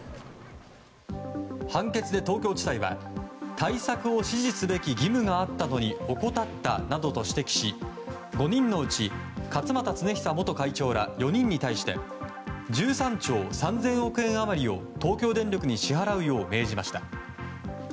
判決で東京地裁は対策を指示すべき義務があったのに怠ったなどと指摘し５人のうち勝俣恒久元会長ら４人に対して１３兆３０００億円余りを東京電力に支払うよう命じました。